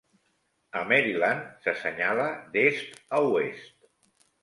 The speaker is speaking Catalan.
A Maryland, se senyala d'est a oest.